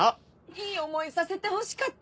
いい思いさせてほしかった。